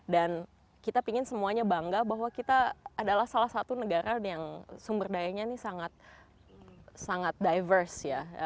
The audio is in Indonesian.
dan kita pingin semuanya bangga bahwa kita adalah salah satu negara yang sumber dayanya ini sangat diverse ya